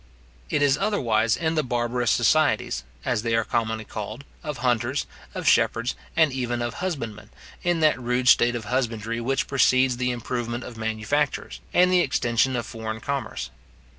It is otherwise in the barbarous societies, as they are commonly called, of hunters, of shepherds, and even of husbandmen in that rude state of husbandry which precedes the improvement of manufactures, and the extension of foreign commerce.